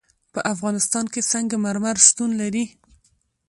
په افغانستان کې سنگ مرمر شتون لري.